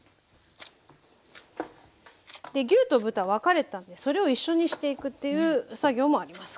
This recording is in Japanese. で牛と豚分かれてたのでそれを一緒にしていくという作業もあります